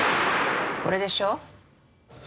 これでしょ？